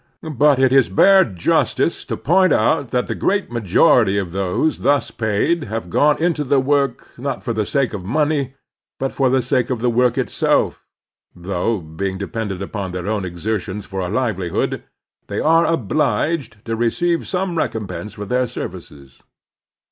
But it is bare jtistice to point out that the great majority^ of those thus paid have gone into the work, not for the sake of the money, but for the sake of the work itself, though, being dependent upon their own exertions for a livelihood, they are obliged to receive some recompense for their services.